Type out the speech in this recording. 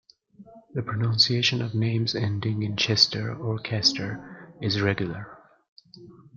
The pronunciation of names ending in -chester or -caster is regular.